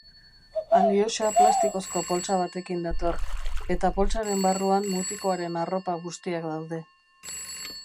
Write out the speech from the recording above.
Alyosha plastikozko poltsa batekin dator, eta poltsaren barruan mutikoaren arropa bustiak daude.